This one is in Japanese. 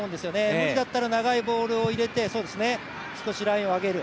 無理だったら長いボールを入れて、少しラインを上げる。